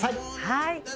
はい。